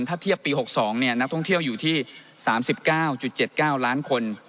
ถ้าเทียบปี๖๒นักท่องเที่ยวอยู่ที่๓๙๗๙ล้านคน